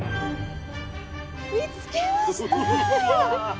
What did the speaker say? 見つけました！